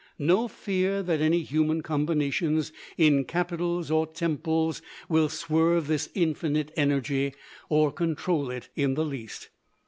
No fear that any human combinations in capitols or temples will swerve this infinite energy, or control it in the least.